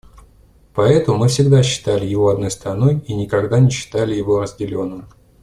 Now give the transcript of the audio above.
Поэтому мы всегда считали его одной страной и никогда не считали его разделенным.